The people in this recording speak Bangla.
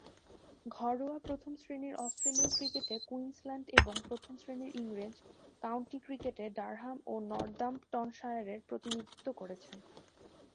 ঘরোয়া প্রথম-শ্রেণীর অস্ট্রেলীয় ক্রিকেটে কুইন্সল্যান্ড এবং প্রথম-শ্রেণীর ইংরেজ কাউন্টি ক্রিকেটে ডারহাম ও নর্দাম্পটনশায়ারের প্রতিনিধিত্ব করেছেন।